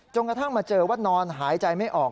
กระทั่งมาเจอว่านอนหายใจไม่ออก